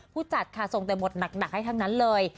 จัดค่ะส่งแต่หมดหนักให้ทั้งนั้นเลย